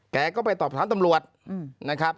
แกก็ไปตอบถามตำรวจนะครับ